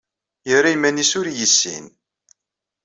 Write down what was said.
Yerra iman-is ur iy-issin.